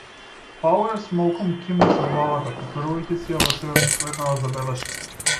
Пауерс молкум кимна со главата, повторувајќи си ја во себе последнава забелешка.